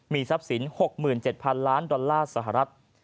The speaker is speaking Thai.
ทรัพย์สิน๖๗๐๐๐ล้านดอลลาร์สหรัฐ